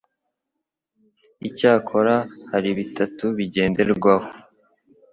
icyakora hari bitatu byagenderwaho.